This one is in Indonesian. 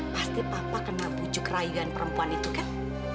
pasti papa kena pucuk rayuan perempuan itu kan